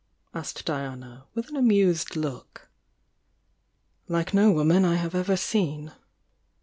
asked Diana, with an amused look. . "Like no woman I have ever seen!